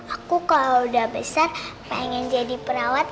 aku kalau udah besar pengen jadi perawat